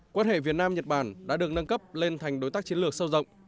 quan hệ việt nam nhật bản đã được nâng cấp lên thành đối tác chiến lược sâu rộng